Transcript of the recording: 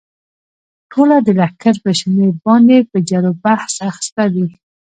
ټوله د لښکر پر شمېر باندې په جرو بحث اخته دي.